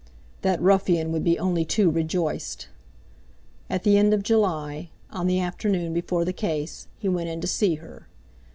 That ruffian would be only too rejoiced! At the end of July, on the afternoon before the case, he went in to see her.